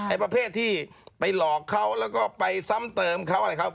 ประเภทที่ไปหลอกเขาแล้วก็ไปซ้ำเติมเขาอะไรเขา